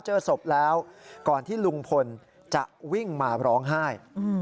เจอศพแล้วก่อนที่ลุงพลจะวิ่งมาร้องไห้